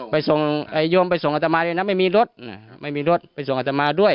ไปส่งโยมไปส่งอัตมาด้วยนะไม่มีรถไม่มีรถไปส่งอัตมาด้วย